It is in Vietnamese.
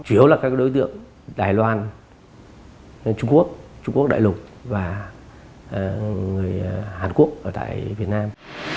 chủ yếu là các đối tượng đài loan trung quốc trung quốc đại lục và người hàn quốc ở tại việt nam